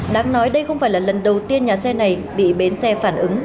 đáng nói đây không phải là lần đầu tiên nhà xe này bị bến xe phản ứng